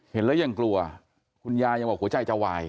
เห็นแล้วยังกลัวคุณยายยังบอกหัวใจจะวาย